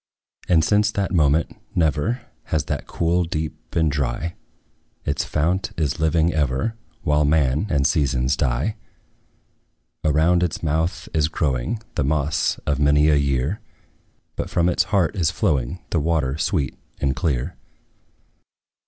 And since that moment, never Has that cool deep been dry; Its fount is living ever, While man and seasons die. Around its mouth is growing The moss of many a year; But from its heart is flowing The water sweet and clear.